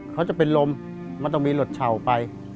เขาจะเป็นลมมันต้องมีหลดเฉาไป